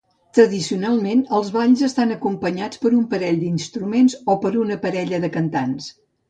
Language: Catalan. Tradicionalment, els balls estan acompanyats per un parell d'instruments o per una parella de cantants.